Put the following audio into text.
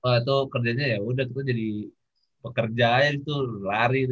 walaupun kerjanya ya udah kita jadi pekerja aja gitu lari deh